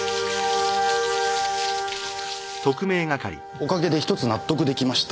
おかげで１つ納得出来ました。